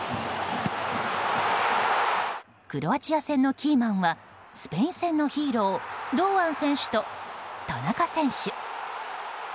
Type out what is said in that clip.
クロアチア戦のキーマンはスペイン戦のヒーロー堂安選手と田中選手。